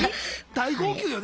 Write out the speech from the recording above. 大号泣よね。